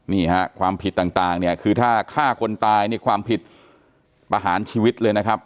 นี่ฮะความผิดต่างเนี่ยคือถ้าฆ่าคนตายนี่ความผิดประหารชีวิตเลยนะครับ